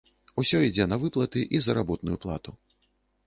Усё ідзе на выплаты і заработную плату.